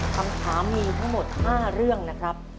คำถามมีทั้งหมด๕เรื่องนะครับ